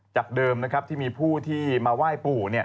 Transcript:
จากเดิมนะครับที่มีผู้ที่มาไหว้ปู่